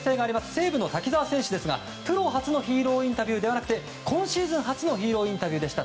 西武の滝澤選手ですがプロ初のヒーローインタビューではなくて今シーズン初のヒーローインタビューでした。